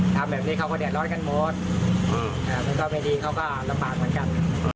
ทำแบบนี้เขาก็เดือดร้อนกันหมดมันก็ไม่ดีเขาก็ลำบากเหมือนกัน